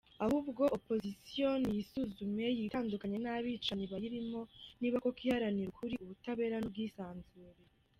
Ahubwo opposition niyisuzume, yitandukanye n’abicanyi bayirimo niba koko iharanira ukuri, ubutabera n’ubwisanzure.